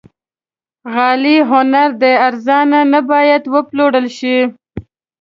غالۍ هنر دی، ارزانه نه باید وپلورل شي.